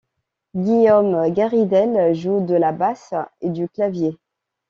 Guillaume Garidel joue de la basse et du clavier.